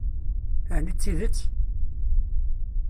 Ɛni d tidet?